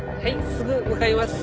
すぐ向かいます。